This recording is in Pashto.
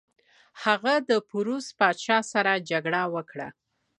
هغه د پوروس پاچا سره جګړه وکړه.